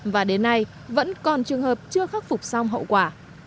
và đến nay vẫn còn trường hợp chưa khắc phục xong hậu quả